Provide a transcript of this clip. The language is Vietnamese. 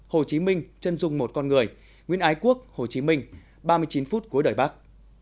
hồ chí minh chân dung một con người nguyên ái quốc hồ chí minh ba mươi chín phút cuối đời bắc